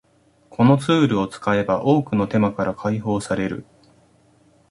このツールを使えば多くの手間から解放される